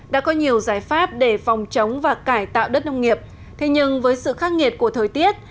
đã có nhiều giải pháp để phòng chống và cải tạo đất nông nghiệp thế nhưng với sự khắc nghiệt của thời tiết